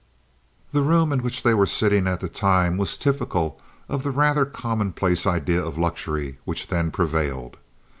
The room in which they were sitting at the time was typical of the rather commonplace idea of luxury which then prevailed.